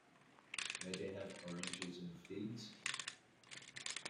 May they have oranges and figs?